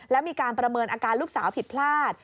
และมีการประเมินอาการลูกสาวผิดพลาด